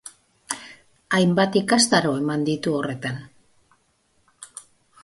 Hainbat ikastaro eman ditu horretan.